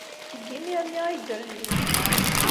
Seg yimir-nni ay ddren deg lehna.